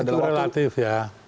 dalam waktu itu relatif ya